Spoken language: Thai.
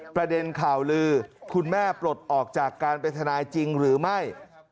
ประเด็นข่าวลือคุณแม่ปลดออกจากการเป็นทนายจริงหรือไม่